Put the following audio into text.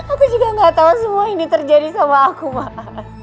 aku juga gak tahu semua ini terjadi sama aku pak